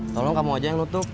tolong kamu aja yang nutup